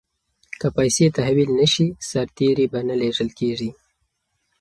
که پیسې تحویل نه شي سرتیري به نه لیږل کیږي.